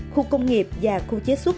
khu công nghiệp và khu chế xuất